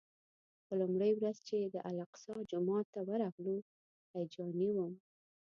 په لومړۍ ورځ چې د الاقصی جومات ته ورغلو هیجاني وم.